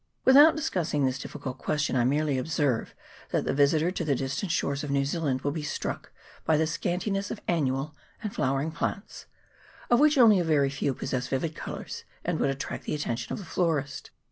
Without discussing this difficult question, I merely observe that the visitor to the distant shores of New Zealand will be struck by the scantiness of annual and flowering plants, of which only a very few possess vivid colours, and would attract the attention of the florist.